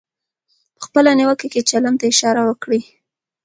په خپله نیوکه کې چلند ته اشاره وکړئ.